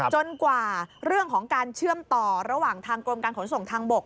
กว่าเรื่องของการเชื่อมต่อระหว่างทางกรมการขนส่งทางบก